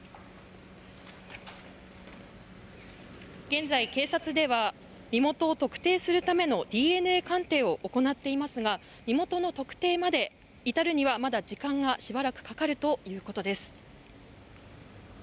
現在、警察では身元を特定するためのＤＮＡ鑑定を行っていますが身元の特定に至るまでまだしばらく時間がかかるということです。